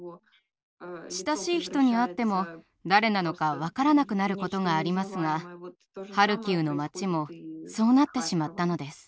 親しい人に会っても誰なのか分からなくなることがありますがハルキウの町もそうなってしまったのです。